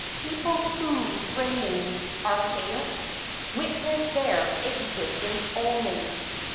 Peoples whose remains, archaic, Witness their existence only.